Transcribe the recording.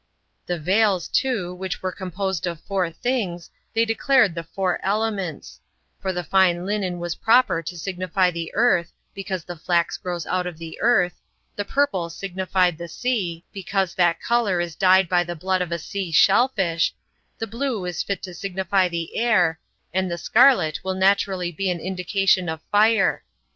The veils, too, which were composed of four things, they declared the four elements; for the fine linen was proper to signify the earth, because the flax grows out of the earth; the purple signified the sea, because that color is dyed by the blood of a sea shell fish; the blue is fit to signify the air; and the scarlet will naturally be an indication of fire.